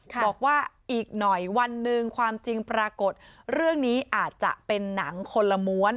บอกว่าอีกหน่อยวันหนึ่งความจริงปรากฏเรื่องนี้อาจจะเป็นหนังคนละม้วน